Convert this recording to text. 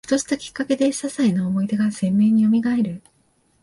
ふとしたきっかけで、ささいな思い出が鮮明によみがえる